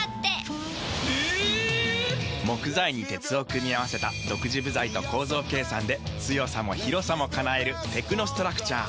木材に鉄を組み合わせた独自部材と構造計算で強さも広さも叶えるテクノストラクチャー。